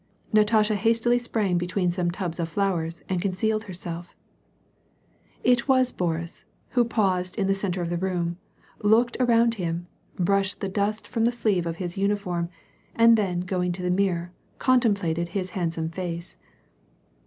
Natasha hastily sprang between some tubs full of flowers and concealed herself. / 50 ^AH AND PEACE. It was Boris, who paused in the centre of the room, looked around him, brushed the dust from the sleeve of Ms uniform, and then going to the mirror, contemplated his handsome face.